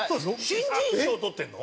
新人賞とってるの？